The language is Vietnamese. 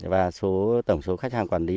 và tổng số khách hàng quản lý